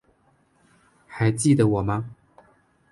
还记得我吗？